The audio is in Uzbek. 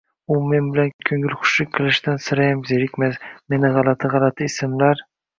U men bilan ko`ngilxo`shlik kilishdan sirayam zerikmas, meni galati-g`alati ismla